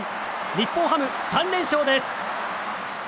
日本ハム３連勝です。